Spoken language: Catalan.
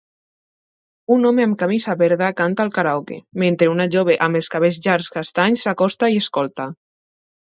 Un home amb camisa verda canta al karaoke, mentre una jove amb els cabells llargs castanys s'acosta i escolta